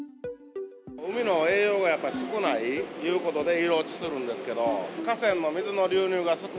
海の栄養がやっぱり少ないということで、色落ちするんですけど。